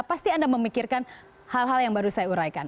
pasti anda memikirkan hal hal yang baru saya uraikan